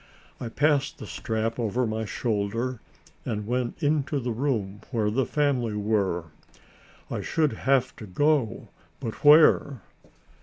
I passed the strap over my shoulder and went into the room where the family were. I should have to go, but where?